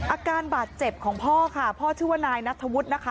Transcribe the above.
อาการบาดเจ็บของพ่อค่ะพ่อชื่อว่านายนัทธวุฒินะคะ